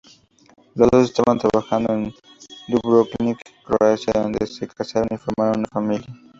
Los dos estaban trabajando en Dubrovnik, Croacia, donde se casaron y formaron una familia.